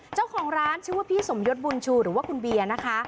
เจ้าของร้านชื่อว่าพี่สมยศบุญชูหรือว่าคุณเบียร์นะคะ